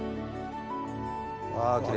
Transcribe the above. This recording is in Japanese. あきれい。